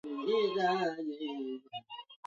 Karatasi imetoboka.